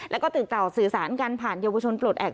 แล้วก็ตื่นเต่าสื่อสารกันผ่านเยาวชนปลดแอบ